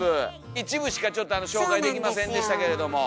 一部しかちょっとあの紹介できませんでしたけれども。